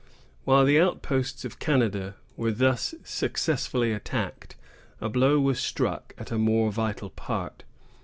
While the outposts of Canada were thus successfully attacked, a blow was struck at a more vital part.